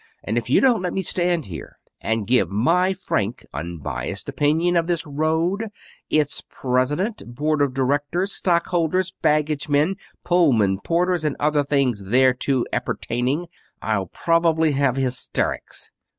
"And if you don't let me stand here and give my frank, unbiased opinion of this road, its president, board of directors, stockholders, baggage men, Pullman porters, and other things thereto appertaining, I'll probably have hysterics."